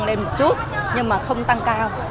nên một chút nhưng mà không tăng cao